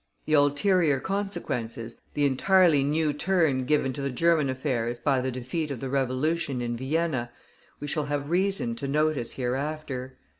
The ulterior consequences, the entirely new turn given to German affairs by the defeat of the revolution in Vienna, we shall have reason to notice hereafter.